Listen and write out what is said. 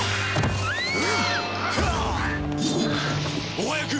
お早く！